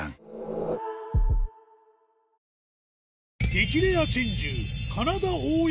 激レア珍獣